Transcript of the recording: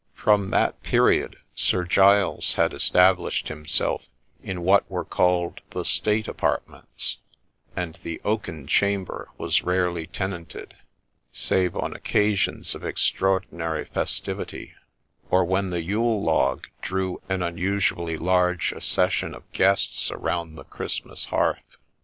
From that period Sir Giles had established him self in what were called the ' state apartments,' and the ' oaken chamber ' was rarely tenanted, save on occasions of extraordinary festivity, or when the yule log drew an unusually large accession of guests around the Christmas hearth.